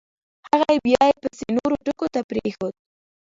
هغه یې بیا به … پسې نورو ټکو ته پرېنښود.